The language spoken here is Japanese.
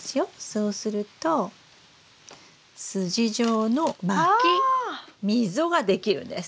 そうするとすじ状のまき溝が出来るんです。